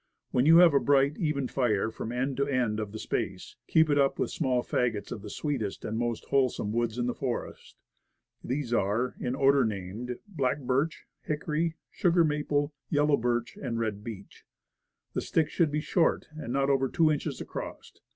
When you have a bright, even fire from end to end of the space, keep it up with small fagots of the sweetest and most wholesome woods in the forest. These are, in the order named, black birch, hickory, sugar maple, yellow birch and red beech. The sticks should be short, and not over two inches across.